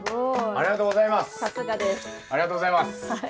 ありがとうございます。